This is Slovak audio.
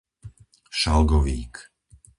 Šalgovík